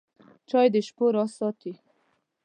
چای د شپو راز ساتي.